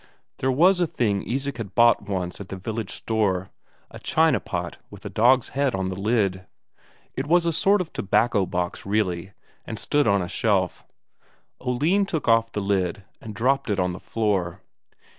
There was a thing Isak had bought once at the village store, a china pot with a dog's head on the lid. It was a sort of tobacco box, really, and stood on a shelf. Oline took off the lid and dropped it on the floor.